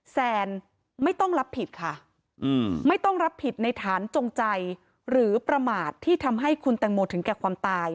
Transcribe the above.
แซนไม่ต้องรับผิดค่ะไม่ต้องรับผิดในฐานจงใจหรือประมาทที่ทำให้คุณแตงโมถึงแก่ความตาย